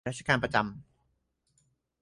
ฝ่ายราชการประจำ